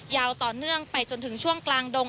ยาวต่อเนื่องไปจนถึงช่วงกลางดง